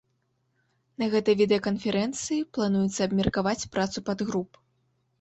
На гэтай відэаканферэнцыі плануецца абмеркаваць працу падгруп.